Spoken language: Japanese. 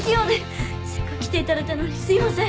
せっかく来ていただいたのにすいません！